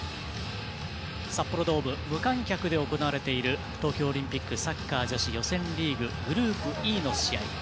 札幌ドーム無観客で行われている東京オリンピックサッカー女子予選リーググループＥの試合。